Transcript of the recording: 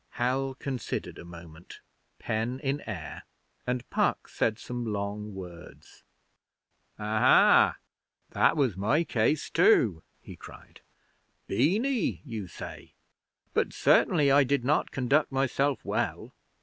Hal considered a moment, pen in air, and Puck said some long words. 'Aha! that was my case too,' he cried. 'Beany you say but certainly I did not conduct myself well.